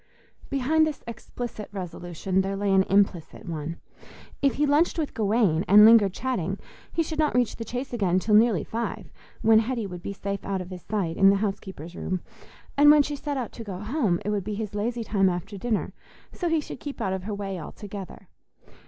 Behind this explicit resolution there lay an implicit one. If he lunched with Gawaine and lingered chatting, he should not reach the Chase again till nearly five, when Hetty would be safe out of his sight in the housekeeper's room; and when she set out to go home, it would be his lazy time after dinner, so he should keep out of her way altogether.